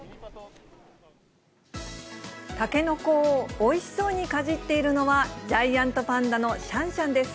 タケノコをおいしそうにかじっているのは、ジャイアントパンダのシャンシャンです。